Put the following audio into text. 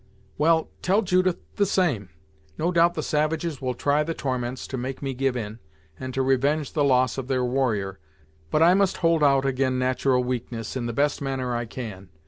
"Well, tell Judith the same. No doubt the savages will try the torments, to make me give in, and to revenge the loss of their warrior, but I must hold out ag'in nat'ral weakness in the best manner I can.